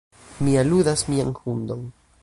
Mi aludas mian hundon.